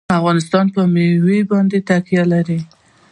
افغانستان په مېوې باندې تکیه لري.